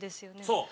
そう！